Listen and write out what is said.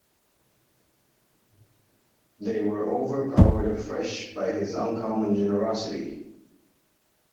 They were overpowered afresh by his uncommon generosity.